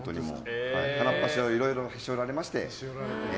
鼻っぱしをいろいろへし折られまして。